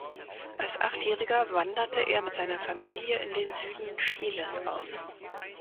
Als Achtjähriger wanderte er mit seiner Familie in den Süden Chiles aus.